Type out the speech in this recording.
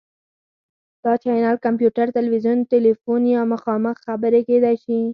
دا چینل کمپیوټر، تلویزیون، تیلیفون یا مخامخ خبرې کیدی شي.